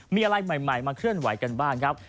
มีอะไรใหม่มาเคลื่อนไหวกันบ้างครับ